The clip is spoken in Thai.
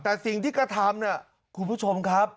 แต่สิ่งที่กระทำเนี่ยคุณผู้ชมครับ